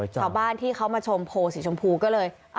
ชาวบ้านที่เขามาชมโพลสีชมพูก็เลย